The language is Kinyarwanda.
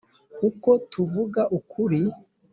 Uko tuvuga ukuri